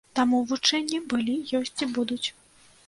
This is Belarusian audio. Таму вучэнні былі, ёсць і будуць.